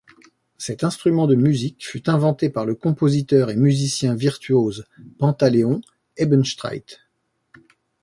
Cet instrument de musique fut inventé par le compositeur et musicien virtuose Pantaléon Hebenstreit.